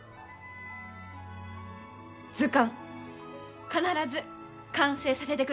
図鑑、必ず完成させてください。